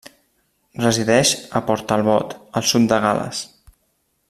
Resideix a Port Talbot, al sud de Gal·les.